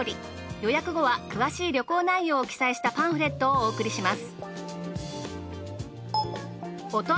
予約後は詳しい旅行内容を記載したパンフレットをお送りします。